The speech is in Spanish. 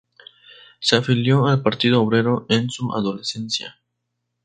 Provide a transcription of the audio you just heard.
Se afilió al Partido Obrero en su adolescencia.